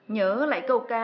nhớ lại câu ca